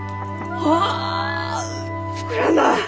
お膨らんだ！